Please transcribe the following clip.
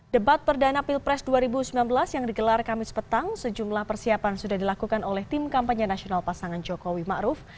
debat perdana pilpres dua ribu sembilan belas yang digelar kamis petang sejumlah persiapan sudah dilakukan oleh tim kampanye nasional pasangan jokowi ⁇ maruf ⁇